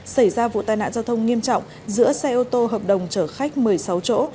xảy ra vụ tai nạn giao thông nghiêm trọng giữa xe ô tô hợp đồng chở khách một mươi sáu chỗ